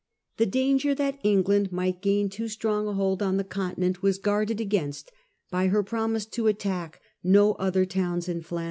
The danger that England might gain too strong a hold on the continent was guarded against by her promise to attack no other towns in Flanders.